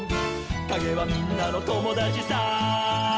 「かげはみんなのともだちさ」